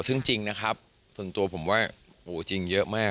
ซึ่งจริงนะครับส่วนตัวผมว่าโหจริงเยอะมาก